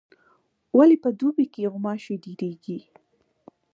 ولي په دوبي کي غوماشي ډیریږي؟